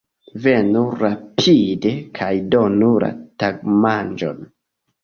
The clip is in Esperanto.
Venu rapide kaj donu la tagmanĝon!